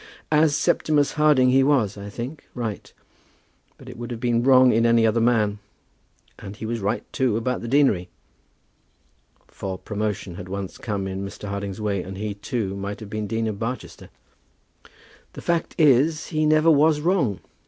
"As Septimus Harding he was, I think, right; but it would have been wrong in any other man. And he was right, too, about the deanery." For promotion had once come in Mr. Harding's way, and he, too, might have been Dean of Barchester. "The fact is, he never was wrong.